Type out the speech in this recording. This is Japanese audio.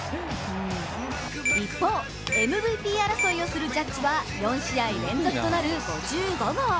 一方、ＭＶＰ争いをするジャッジは４試合連続となる５５号。